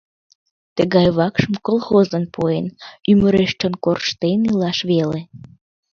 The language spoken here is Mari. Тыгай вакшым колхозлан пуэн, ӱмыреш чон корштен илаш веле...